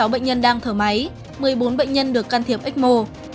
hai trăm tám mươi sáu bệnh nhân đang thở máy một mươi bốn bệnh nhân được can thiệp ếch mồ